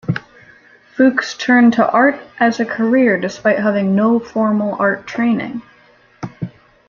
Fuchs turned to art as a career, despite having had no formal art training.